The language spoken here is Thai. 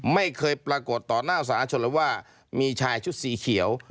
ไม่เคยปรากฏต่อหน้าสาชนเลยว่ามีชายชุดสีเขียว